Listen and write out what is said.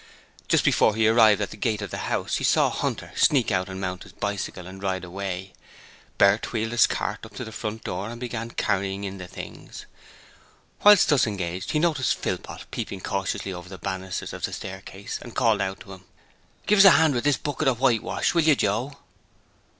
Just before he arrived at the gate of the house, he saw Hunter sneak out and mount his bicycle and ride away. Bert wheeled his cart up to the front door and began carrying in the things. Whilst thus engaged he noticed Philpot peeping cautiously over the banisters of the staircase, and called out to him: 'Give us a hand with this bucket of whitewash, will yer, Joe?'